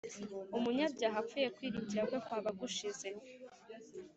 umunyabyaha apfuye kwiringira kwe kuba gushize,